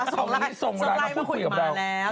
ส่งไลน์มาคุยกับเรา